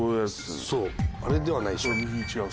そうあれではないでしょ？